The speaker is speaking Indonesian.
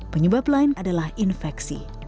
penyebab lain adalah infeksi